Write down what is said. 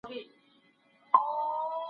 کله د سولي ماموریت پای ته رسیږي؟